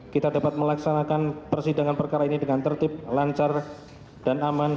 kita dapat melaksanakan persidangan perkara ini dengan tertib lancar dan aman